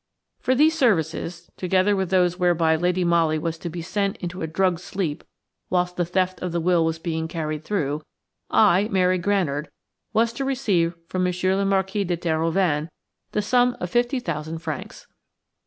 For these services, together with those whereby Lady Molly was to be sent into a drugged sleep whilst the theft of the will was being carried through, I–Mary Granard–was to receive from Monsieur le Marquis de Terhoven the sum of fifty thousand francs.